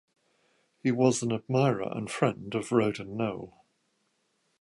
He was an admirer and friend of Roden Noel.